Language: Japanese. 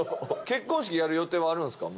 結婚式やる予定はあるんですか？